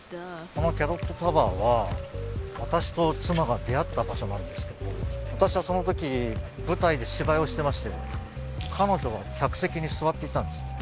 このキャロットタワーは私と妻が出会った場所なんですけど私はそのとき舞台で芝居をしてまして彼女客席に座っていたんです。